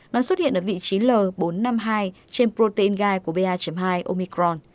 nó xuất hiện ở vị trí l bốn trăm năm mươi hai trên protein gai của ba hai omicron